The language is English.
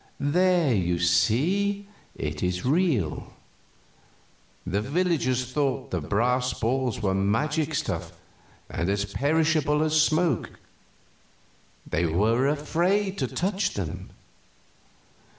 "There you see it is real. The villagers thought the brass balls were magic stuff and as perishable as smoke. They were afraid to touch them.